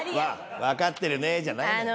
「分かってるね」じゃないんだよ。